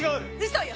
嘘よ！